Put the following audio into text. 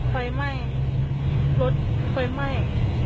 ไฟไหม้รถไฟไหม้